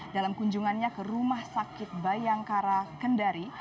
dalam kunjungannya ke rumah sakit bayangkara kendari